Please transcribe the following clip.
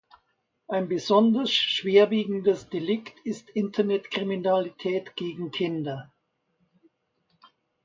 Ein besonders schwerwiegendes Delikt ist Internetkriminalität gegen Kinder.